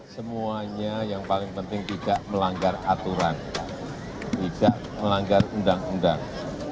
semuanya yang paling penting tidak melanggar aturan tidak melanggar undang undang